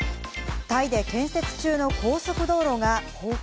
タイで建設中の高速道路が崩壊。